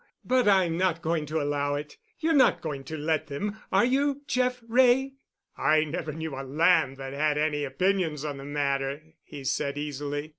But I'm not going to allow it. You're not going to let them—are you, Jeff Wray?" "I never knew a lamb that had any opinions on the matter," he said easily.